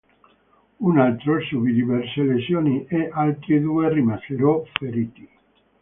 Un altro subì diverse lesioni, e altri due rimasero feriti.